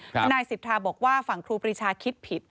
ทนายสิทธาบอกว่าฝั่งครูปรีชาคิดผิด